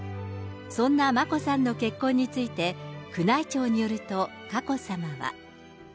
そんな眞子さんの結婚について、宮内庁によると佳子さまは。